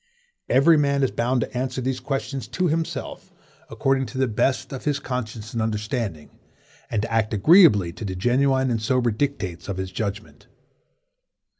Every man is bound to answer these questions to himself, according to the best of his conscience and understanding, and to act agreeably to the genuine and sober dictates of his judgment.